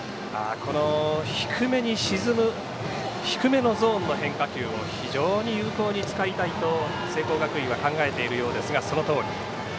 低めに沈む低めのゾーンの変化球を非常に有効に使いたいと聖光学院は考えているようですがそのとおり。